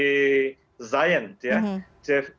mengingat tanggung jawabnya yang saya kira saya mengangkat jeffrey